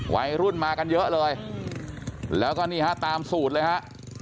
วัยรุ่นมากันเยอะเลยแล้วก็นี่ฮะตามสูตรเลยฮะ